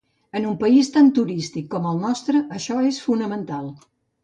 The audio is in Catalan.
En un país tan turístic com el nostre això és fonamental.